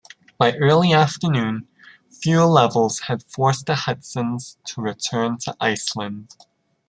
By early afternoon, fuel levels had forced the Hudsons to return to Iceland.